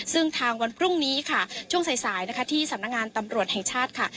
ซึ่งทางวันพรุ่งนี้ค่ะช่วงสายนะคะที่สำนักงานตำรวจแห่งชาติค่ะ